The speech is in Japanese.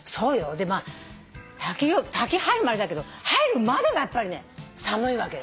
で滝行滝入るもあれだけど入るまでがやっぱりね寒いわけよ。